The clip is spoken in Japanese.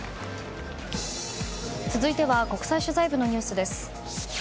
続いては国際取材部のニュースです。